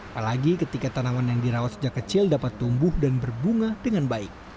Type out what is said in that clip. apalagi ketika tanaman yang dirawat sejak kecil dapat tumbuh dan berbunga dengan baik